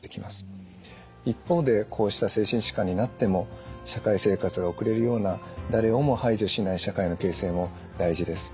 一方でこうした精神疾患になっても社会生活が送れるような誰をも排除しない社会の形成も大事です。